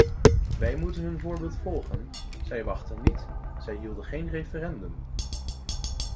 Wij moeten hun voorbeeld volgen: zij wachtten niet, zij hielden geen referendum.